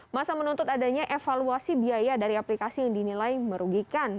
masa menuntut adanya evaluasi biaya dari aplikasi yang dinilai merugikan